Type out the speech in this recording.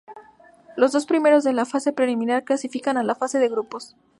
Los dos primeros de la fase preliminar clasifican a la fase de grupos.